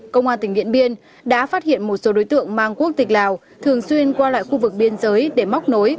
công an tỉnh điện biên đã phát hiện một số đối tượng mang quốc tịch lào thường xuyên qua lại khu vực biên giới để móc nối